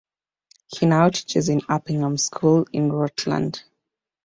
He now teaches at Uppingham School in Rutland.